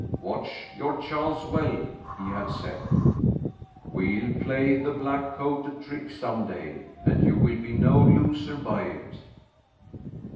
" Watch your chance well," he had said, " we'll play the black coat a trick some day, and you will be no loser by it."